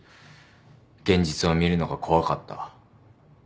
現実を見るのが怖かった。